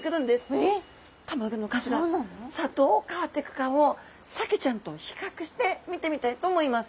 さあどう変わっていくかをサケちゃんと比較して見てみたいと思います。